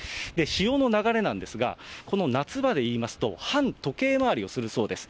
潮の流れなんですが、この夏場で言いますと、反時計回りをするそうです。